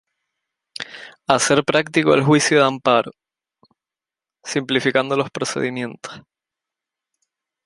Hacer práctico el Juicio de Amparo, simplificando los procedimientos.